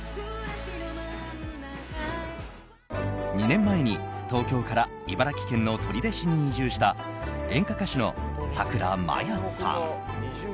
２年前に、東京から茨城県の取手市に移住した演歌歌手のさくらまやさん。